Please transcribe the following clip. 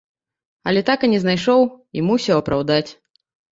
Але так і не знайшоў, і мусіў апраўдаць.